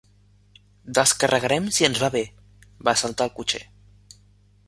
—Descarregarem si ens ve bé—va saltar el cotxer